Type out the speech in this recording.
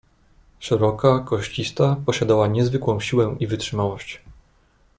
"Szeroka, koścista posiadała niezwykłą siłę i wytrzymałość."